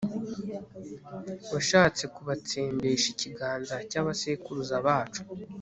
washatse kubatsembesha ikiganza cy'abasekuruza bacu